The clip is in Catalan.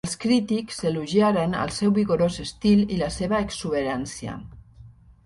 Els crítics elogiaren el seu vigorós estil i la seva exuberància.